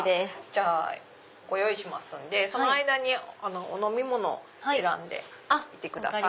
じゃあご用意しますんでその間にお飲み物選んでいてください。